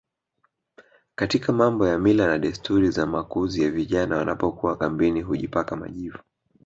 katika mambo ya mila na desturi za makuzi ya vijana Wanapokuwa kambini hujipaka majivu